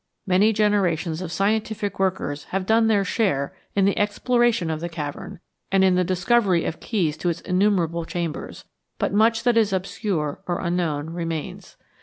Many generations of scientific workers have done their share in the exploration of the cavern, and in the discovery of keys to its innumerable chambers, but much that is obscure or unknown remains.